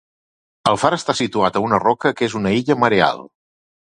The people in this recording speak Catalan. El far està situat a una roca que és una illa mareal.